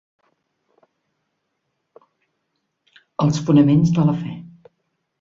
Els fonaments de la fe.